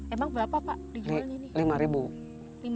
emang berapa pak dijualnya ini